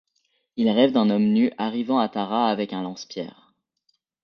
Il rêve d'un homme nu arrivant à Tara avec un lance pierre.